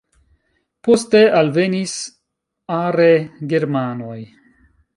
Poste alvenis are germanoj.